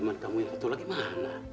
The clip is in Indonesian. teman kamu yang ketulah dimana